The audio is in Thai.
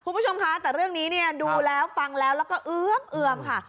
คุณผู้ชมคะแต่เรื่องนี้เนี่ยดูแล้วฟังแล้วแล้วก็เอือมเอือมค่ะ